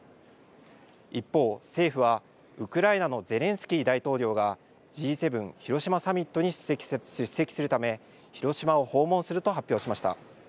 一方、政府はウクライナのゼレンスキー大統領がＧ７広島サミットに出席するため広島を訪問すると発表しました。